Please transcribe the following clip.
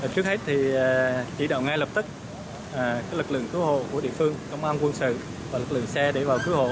trước hết thì chỉ đạo ngay lập tức lực lượng cứu hộ của địa phương công an quân sự và lực lượng xe để vào cứu hộ